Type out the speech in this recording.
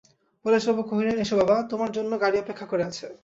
পরেশবাবু কহিলেন, এসো বাবা, তোমার জন্যে গাড়ি অপেক্ষা করে আছে।